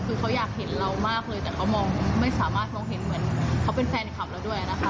คือเขาอยากเห็นเรามากเลยแต่เขามองไม่สามารถมองเห็นเหมือนเขาเป็นแฟนคลับเราด้วยนะคะ